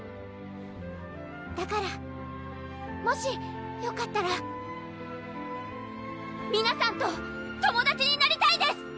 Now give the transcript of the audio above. だからもしよかったら皆さんと友達になりたいです！